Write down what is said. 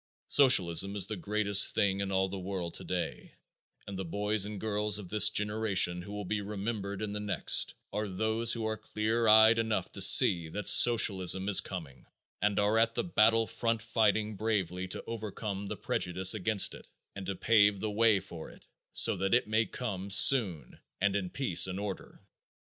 Socialism is the greatest thing in all the world today and the boys and girls of this generation who will be remembered in the next are those who are clear eyed enough to see that socialism is coming and are at the battle front fighting bravely to overcome the prejudice against it and to pave the way for it so that it may come soon and in peace and order.